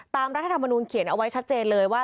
รัฐธรรมนูลเขียนเอาไว้ชัดเจนเลยว่า